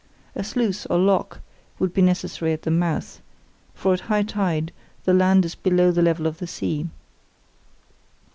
A sluice, or lock, would be necessary at the mouth, for at high tide the land is below the level of the sea.